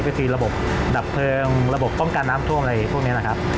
ก็คือระบบดับเพลิงระบบป้องกันน้ำท่วมอะไรพวกนี้นะครับ